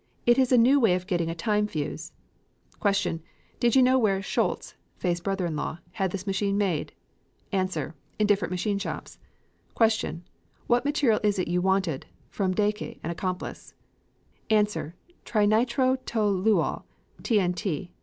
It is a new way of getting a time fuse. ... Q. Did you know where Scholz (Fay's brother in law) had this machine made? A. In different machine shops. Q. What material is it you wanted (from Daeche, an accomplice)? A. Trinitrotoluol (T. N. T.).